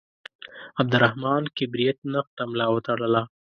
عبدالرحمان کبریت نقد ته ملا وتړله.